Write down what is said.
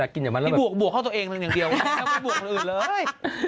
พี่บวกเข้าตัวเองหนึ่งเดียวไม่บวกคนอื่นเลย